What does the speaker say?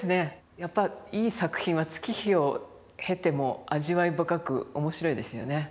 やっぱりいい作品は月日を経ても味わい深く面白いですよね。